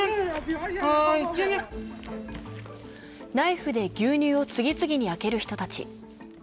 ナイフで牛乳を次々に開ける人たち。